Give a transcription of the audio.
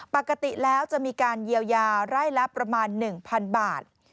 ปกติแล้วจะมีการเยียวยาไร่ละประมาณ๑๐๐๐บาท